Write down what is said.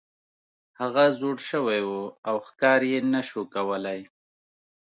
هغه زوړ شوی و او ښکار یې نشو کولی.